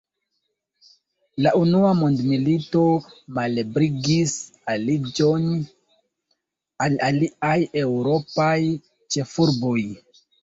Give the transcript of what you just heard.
La unua mondmilito malebligis aliĝon al aliaj eŭropaj ĉefurboj.